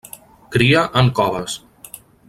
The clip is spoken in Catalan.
Cria en coves.